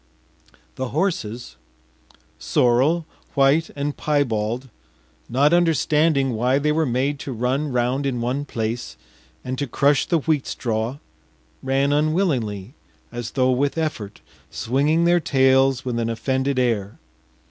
” The horses, sorrel, white, and piebald, not understanding why they were made to run round in one place and to crush the wheat straw, ran unwillingly as though with effort, swinging their tails with an offended air.